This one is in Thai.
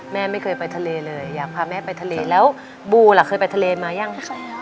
แม่ไม่เคยไปทะเลเลยอยากพาแม่ไปทะเลแล้วบูล่ะเคยไปทะเลมายัง